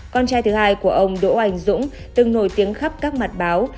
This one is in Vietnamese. con trai thứ hai của ông đỗ anh dũng từng nổi tiếng khắp các mặt báo